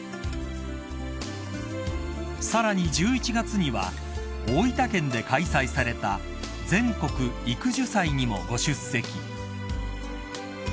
［さらに１１月には大分県で開催された全国育樹祭にもご出席］